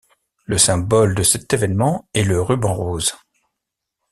Le symbole de cet évènement est le ruban rose.